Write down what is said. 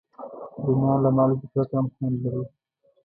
رومیان له مالګې پرته هم خوند لري